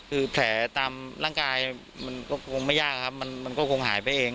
คือแผลตามร่างกายมันก็คงไม่ยากครับมันก็คงหายไปเอง